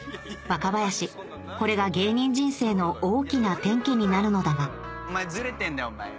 若林これが芸人人生の大きな転機になるのだがズレてんだよお前よ。